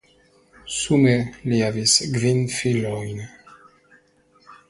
Sume li havis kvin filojn.